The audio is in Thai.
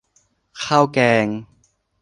ข้าวแกง